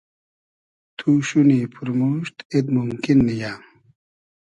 تو شونی پورموشت اید مومکین نییۂ